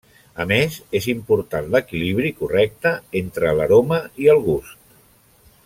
A més, és important l'equilibri correcte entre l'aroma i el gust.